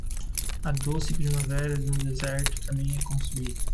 A doce primavera no deserto também é consumida